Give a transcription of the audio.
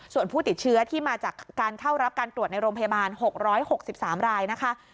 ส่วนผู้ติดเชื้อที่มาจากการเข้ารับการตรวจในโรงพยาบาล๖๖๓รายนะคะ